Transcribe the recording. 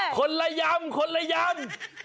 คนละยำคนละยำ